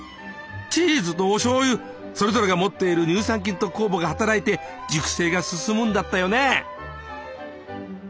チーズとおしょうゆそれぞれが持っている乳酸菌と酵母が働いて熟成が進むんだったよね。